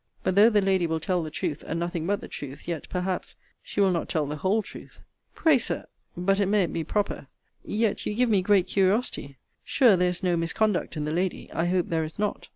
But though the lady will tell the truth, and nothing but the truth, yet, perhaps, she will not tell the whole truth. Pray, Sir But it mayn't be proper Yet you give me great curiosity. Sure there is no misconduct in the lady. I hope there is not.